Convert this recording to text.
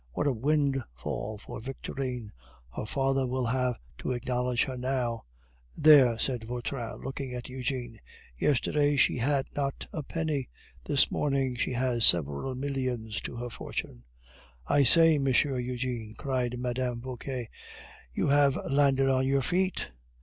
What a windfall for Victorine! Her father will have to acknowledge her now!" "There!" said Vautrin, looking at Eugene, "yesterday she had not a penny; this morning she has several millions to her fortune." "I say, M. Eugene!" cried Mme. Vauquer, "you have landed on your feet!"